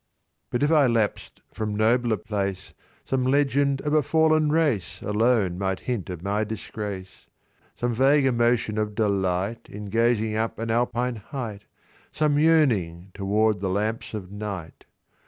"But, if I lapsed from nobler place, Some legend of a fallen race Alone might hint of my disgrace; "Some vague emotion of delight In gazing up an Alpine height, Some yearning toward the lamps of night.